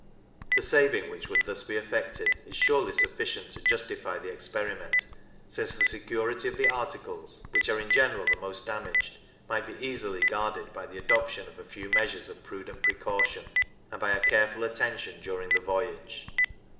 The saving which would thus be effected is surely sufficient to justify the experiment, since the security of the articles, which are in general the most damaged, might be easily guarded by the adoption of a few measures of prudent precaution, and by a careful attention during the voyage.